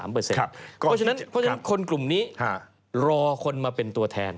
เพราะฉะนั้นคนกลุ่มนี้รอคนมาเป็นตัวแทน